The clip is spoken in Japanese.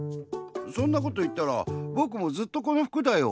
そんなこといったらぼくもずっとこの服だよ。